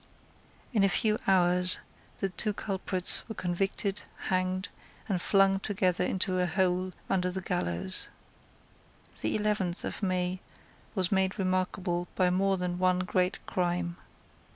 In a few hours the two culprits were convicted, hanged, and flung together into a hole under the gallows. The eleventh of May was made remarkable by more than one great crime.